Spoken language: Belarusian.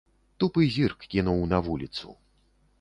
Тупы зірк кінуў на вуліцу.